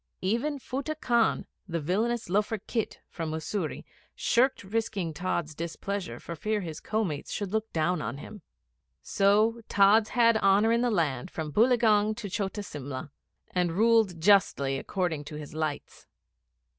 Even Futteh Khan, the villainous loafer khit from Mussoorie, shirked risking Tods' displeasure for fear his co mates should look down on him. So Tods had honour in the land from Boileaugunge to Chota Simla, and ruled justly according to his lights.